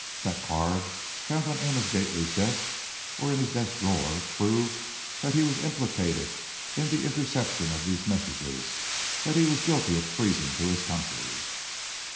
That card, found on Amos Gately's desk, or in his desk drawer, proved that he was implicated in the interception of these messages, that he was guilty of treason to his country!